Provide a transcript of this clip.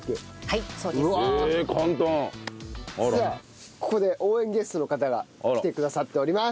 さあここで応援ゲストの方が来てくださっております。